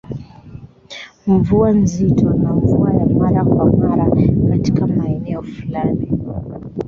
Mvua nzito na mvua ya mara kwa mara katika maeneo fulani